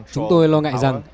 chúng tôi lo ngại rằng